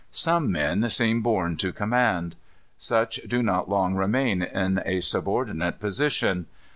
Some men seem born to command. Such do not long remain in a subordinate position.